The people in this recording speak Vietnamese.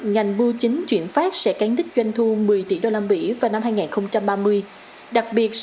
ngành bưu chính chuyển phát sẽ cán đích doanh thu một mươi tỷ usd vào năm hai nghìn ba mươi đặc biệt